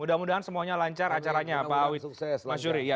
mudah mudahan semuanya lancar acaranya pak awi